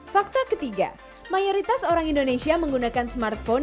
fakta ketiga mayoritas orang indonesia menggunakan smartphone